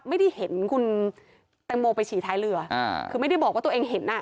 ไม่ได้เห็นคุณแตงโมไปฉี่ท้ายเรืออ่าคือไม่ได้บอกว่าตัวเองเห็นอ่ะ